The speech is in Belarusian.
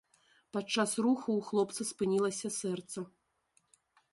Падчас руху ў хлопца спынілася сэрца.